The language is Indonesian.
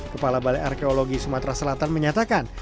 kepala balai arkeologi sumatera selatan menyatakan